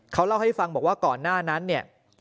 เขาเล่าให้ฟังบอกว่าก่อนหน้านั้นเนี่ย